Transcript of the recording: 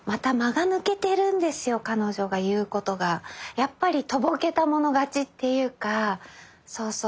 やっぱりとぼけたもの勝ちっていうかそうそう。